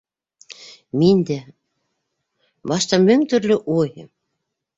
- Мин дә... башта мең төрлө уй...